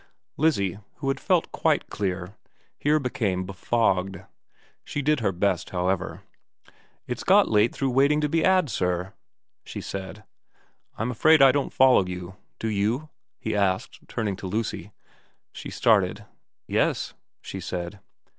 Lizzie, who had felt quite clear, here became befogged. She did her best, however. * It's got late through waiting to be 'ad, sir,' she said. ' I'm afraid I don't follow you. Do you ?' he asked, turning to Lucy. She started. ' Yes,' she said.